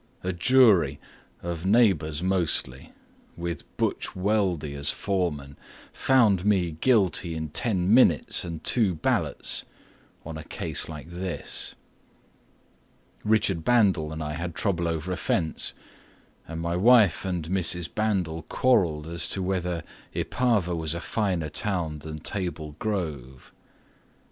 A jury, of neighbors mostly, with "Butch" Weldy As foreman, found me guilty in ten minutes And two ballots on a case like this: Richard Bandle and I had trouble over a fence And my wife and Mrs. Bandle quarreled As to whether Ipava was a finer town than Table Grove.